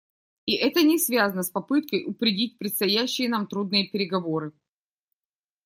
И это не связано с попыткой упредить предстоящие нам трудные переговоры.